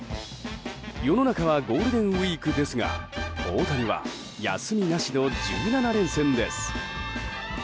世の中はゴールデンウィークですが大谷は休みなしの１７連戦です。